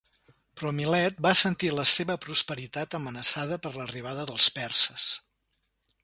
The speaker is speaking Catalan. Però Milet va sentir la seva prosperitat amenaçada per l'arribada dels perses.